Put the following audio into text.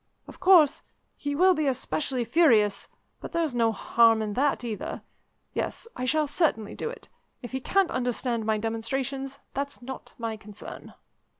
Of course, he will be especially furious, but there's no harm in that either. Yes, I shall certainly do it. If he can't understand my demonstrations, that's not my concern."